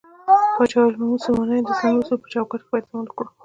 پاچا وويل: موږ مسلمانان يو د اسلامي اصولو په چوکات کې بايد عمل وکړو.